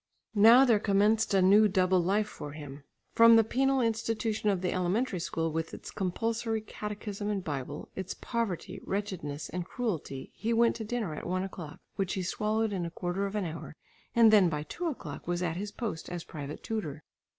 Now there commenced a new double life for him. From the penal institution of the elementary school with its compulsory catechism and Bible, its poverty, wretchedness, and cruelty, he went to dinner at one o'clock, which he swallowed in a quarter of an hour, and then by two o'clock was at his post as private tutor.